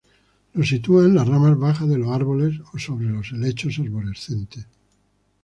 Los sitúan en las ramas bajas de los árboles o sobre las helechos arborescentes.